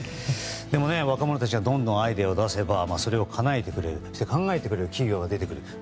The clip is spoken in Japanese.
でも、若者たちがどんどんアイデアを出せばそれをかなえてくれる、そして考えてくれる企業が出てくる。